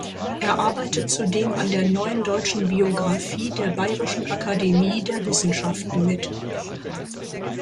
Er arbeitet zudem an der Neuen Deutschen Biographie der Bayerischen Akademie der Wissenschaften mit.